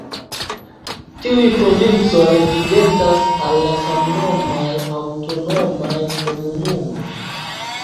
Tiuj provincoj identas al la samnomaj aŭtonomaj komunumoj.